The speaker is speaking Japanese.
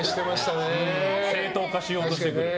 正当化しようとしてくる。